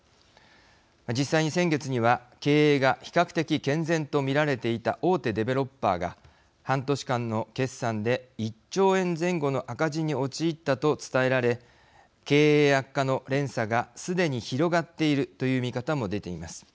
実際に先月には経営が比較的健全と見られていた大手デベロッパーが半年間の決算で１兆円前後の赤字に陥ったと伝えられ経営悪化の連鎖がすでに広がっているという見方も出ています。